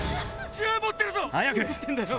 銃を持ってるぞ！